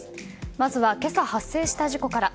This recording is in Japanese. まずは今朝発生した事故から。